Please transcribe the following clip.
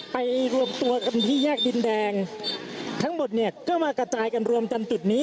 ไปรวมตัวกันที่แยกดินแดงทั้งหมดเนี่ยก็มากระจายกันรวมกันจุดนี้